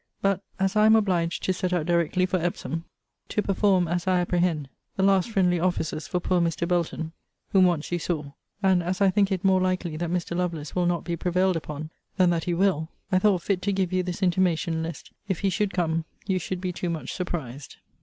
But as I am obliged to set out directly for Epsom, (to perform, as I apprehend, the last friendly offices for poor Mr. Belton, whom once you saw,) and as I think it more likely that Mr. Lovelace will not be prevailed upon, than that he will, I thought fit to give you this intimation, lest, if he should come, you should be too much surprised.